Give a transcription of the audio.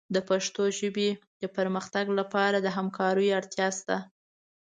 د پښتو ژبې د پرمختګ لپاره د همکاریو اړتیا شته.